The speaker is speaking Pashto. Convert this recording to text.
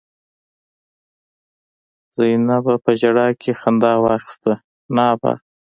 زينبه په ژړا کې خندا واخيسته: نه ابا!